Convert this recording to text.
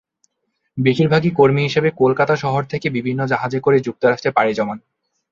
বেশিরভাগই কর্মী হিসেবে কলকাতা শহর থেকে বিভিন্ন জাহাজে করে যুক্তরাষ্ট্রে পাড়ি জমান।